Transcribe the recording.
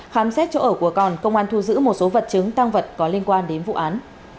khám xét chỗ ở của còn công an thu giữ một số vật chứng tăng vật có liên quan đến vụ án